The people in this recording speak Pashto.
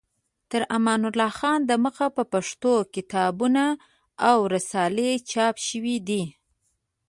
تر امان الله خان د مخه په پښتو کتابونه او رسالې چاپ شوې دي.